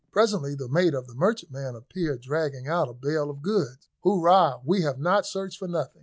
Presently the mate of the merchantman appeared dragging out a bale of goods. "Hurrah! we have not searched for nothing!"